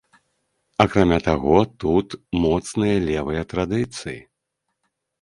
Акрамя таго, тут моцныя левыя традыцыі.